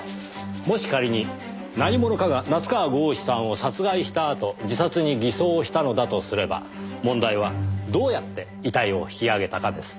もし仮に何者かが夏河郷士さんを殺害したあと自殺に偽装したのだとすれば問題はどうやって遺体を引き上げたかです。